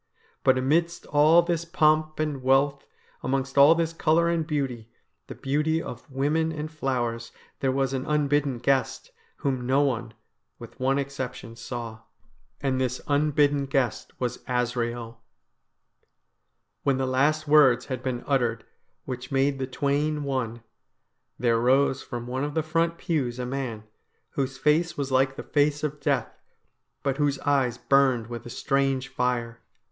But amidst all this pomp and wealth, amongst all this colour and beauty, the beauty of women and flowers, there was an unbidden guest, whom no one, with one exception, saw, and this unbidden guest was Azrael. When the last words had been uttered which made the twain one, there rose from one of the front pews a man, whose face was like the face of death, but whose eyes burned with a strange fire.